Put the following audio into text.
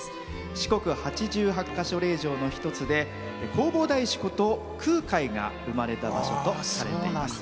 四国八十八ヶ所霊場の一つで弘法大師こと、空海が生まれた場所とされています。